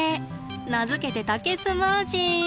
名付けて竹スムージー！